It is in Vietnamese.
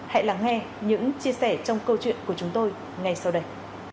hãy lắng nghe những chia sẻ trong câu chuyện của chúng tôi ngay sau đây